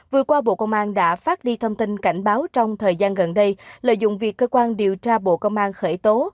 vừa qua bộ công an đã phát đi thông tin cảnh báo trong thời gian gần đây lợi dụng việc cơ quan điều tra bộ công an khởi tố